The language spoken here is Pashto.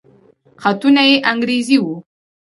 خطونه يې انګريزي وو.